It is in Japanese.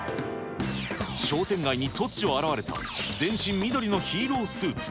商店街に突如現れた、全身緑のヒーロースーツ。